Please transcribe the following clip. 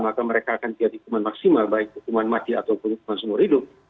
maka mereka akan jadi hukuman maksimal baik hukuman mati atau hukuman seumur hidup